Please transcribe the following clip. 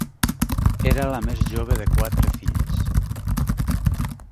Era la més jove de quatre fills.